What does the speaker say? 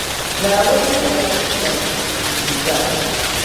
Naawuni nyɛla Ŋun nyari yi tuuntumsa.